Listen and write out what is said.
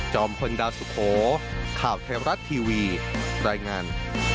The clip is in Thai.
พลดาวสุโขข่าวไทยรัฐทีวีรายงาน